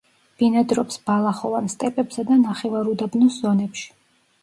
ბინადრობს ბალახოვან სტეპებსა და ნახევარუდაბნოს ზონებში.